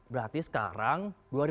berarti sekarang dua ribu dua puluh